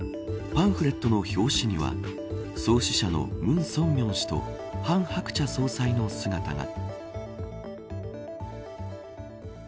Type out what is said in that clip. パンフレットの表紙には創始者の文鮮明氏と韓鶴子総裁の姿が。